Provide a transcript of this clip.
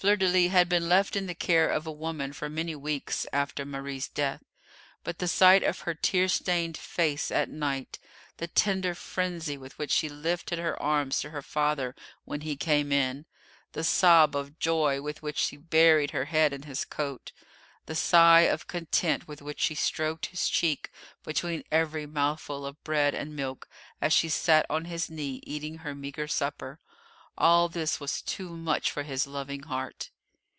Fleur de lis had been left in the care of a woman for many weeks after Marie's death, but the sight of her tear stained face at night, the tender frenzy with which she lifted her arms to her father when he came in, the sob of joy with which she buried her head in his coat, the sigh of content with which she stroked his cheek between every mouthful of bread and milk as she sat on his knee eating her meagre supper all this was too much for his loving heart.